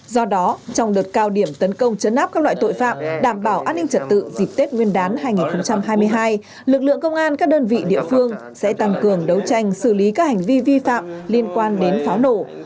do đó trong đợt cao điểm tấn công chấn áp các loại tội phạm đảm bảo an ninh trật tự dịp tết nguyên đán hai nghìn hai mươi hai lực lượng công an các đơn vị địa phương sẽ tăng cường đấu tranh xử lý các hành vi vi phạm liên quan đến pháo nổ